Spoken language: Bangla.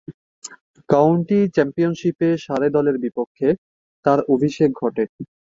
কাউন্টি চ্যাম্পিয়নশীপে সারে দলের বিপক্ষে তার অভিষেক ঘটে।